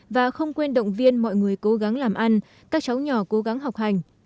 và không quên động viên mọi người cố gắng làm ăn các cháu nhỏ cố gắng học hành